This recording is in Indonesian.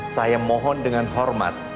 saya mohon dengan hormat